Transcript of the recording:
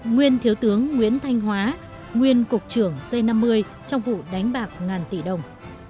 nguyên thiếu tướng nguyễn thanh hóa nguyên cục trưởng c năm mươi trong vụ đánh bạc ngàn tỷ đồng